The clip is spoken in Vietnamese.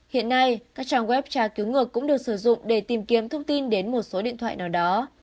hiện nay các trang web tra cứu ngược cũng được sử dụng để tìm kiếm thông tin đến một số điện thoại nào đó